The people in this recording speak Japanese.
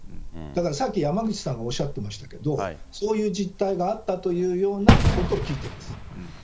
だからさっき山口さんがおっしゃってましたけど、そういう実態があったというようなことを聞いてます。